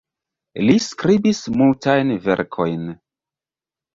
Li skribis multajn verkojn.